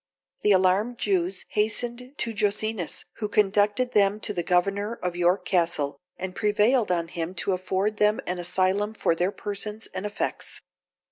The alarmed Jews hastened to Jocenus, who conducted them to the governor of York Castle, and prevailed on him to afford them an asylum for their persons and effects.